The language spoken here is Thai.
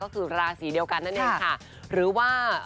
ก็คือกราศีเดียวกันนั่นเองค่ะ